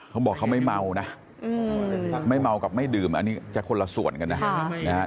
เขาบอกเขาไม่เมานะไม่เมากับไม่ดื่มอันนี้จะคนละส่วนกันนะ